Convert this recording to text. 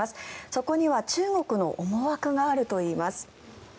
そこには中国の思惑があるといいます。